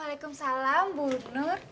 waalaikumsalam bu nur